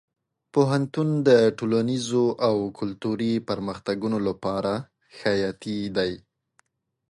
پوهنتون د ټولنیزو او کلتوري پرمختګونو لپاره حیاتي دی.